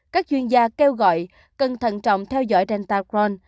các chuyên gia kêu gọi cẩn thận trọng theo dõi delta crohn